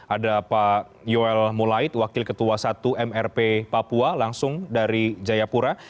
ada pak yoel mulaid wakil ketua satu mrp papua langsung dari jayapura